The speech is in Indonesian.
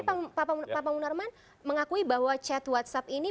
pak munarman mengakui bahwa chat whatsapp ini